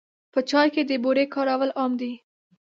په چای کې د بوري کارول عام دي.